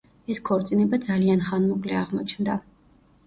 ეს ქორწინება ძალიან ხანმოკლე აღმოჩნდა.